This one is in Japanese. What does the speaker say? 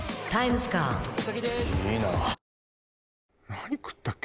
何食ったっけ？